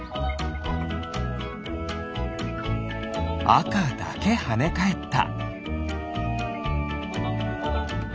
あかだけはねかえった。